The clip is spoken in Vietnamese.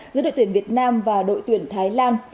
giữa đội tuyển việt nam và đội tuyển thái lan